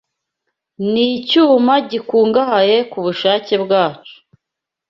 N'icyuma gikungahaye kubushake bwacu